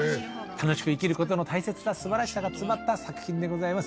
楽しく生きる事の大切さ素晴らしさが詰まった作品でございます。